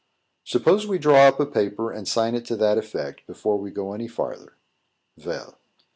"Suppose we draw up a paper, and sign it to that effect, before we go any farther." "Vell."